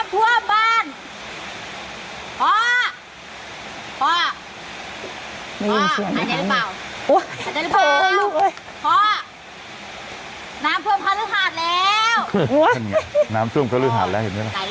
พอตื่นแล้ว